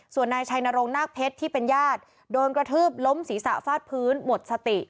ส่วนนายชัยนรงนาคเพชรที่เป็นญาติโดนกระทืบล้มศีรษะฟาดพื้นหมดสติ